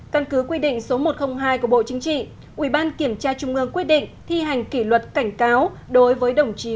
căn cứ quy định số một trăm linh hai của bộ chính trị ubktq quyết định thi hành kỷ luật cảnh cáo đối với đồng chí